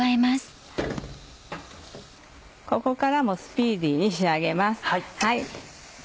ここからもスピーディーに仕上げます。